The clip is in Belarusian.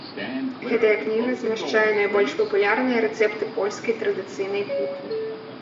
Гэтая кніга змяшчае найбольш папулярныя рэцэпты польскай традыцыйнай кухні.